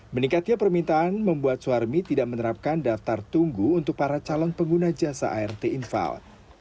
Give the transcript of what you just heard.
meningkatnya permintaan membuat suharmi tidak menerapkan daftar tunggu untuk para calon pengguna jasa art infal